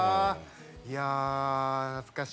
いや懐かしい。